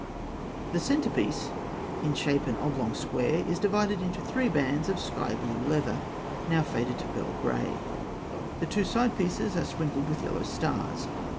The centrepiece, in shape an oblong square, is divided into three bands of sky blue leather, now faded to pearl grey. The two side pieces are sprinkled with yellow stars.